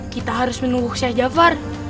kita harus menunggu sheikh jafar